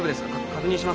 確認しますか？